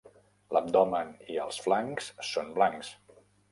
L'abdomen i els flancs són blancs.